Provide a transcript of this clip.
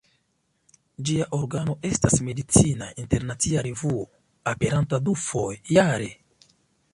Ĝia organo estas "Medicina Internacia Revuo", aperanta dufoje jare.